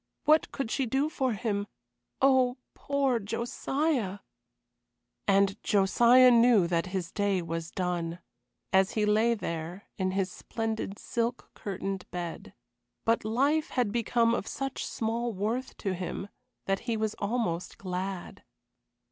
What could she do for him? Oh, poor Josiah! And Josiah knew that his day was done, as he lay there in his splendid, silk curtained bed. But life had become of such small worth to him that he was almost glad.